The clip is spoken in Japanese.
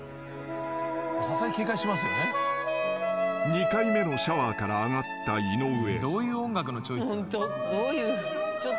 ［２回目のシャワーから上がった井上］